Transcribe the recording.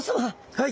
はい。